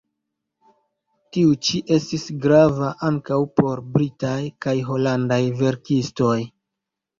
Tiu ĉi estis grava ankaŭ por britaj kaj holandaj verkistoj.